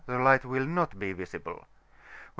the light will not be visible; when S.